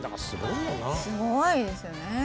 すごいですよね